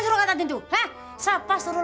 berdua udah kaya apa tau